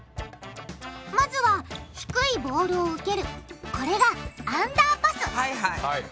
まずは低いボールを受けるこれがはいはい。